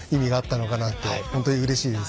ほんとにうれしいです。